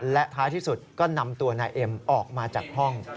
และท้ายที่สุดก็นำตัวนายเอ็มออกมาจากห้อง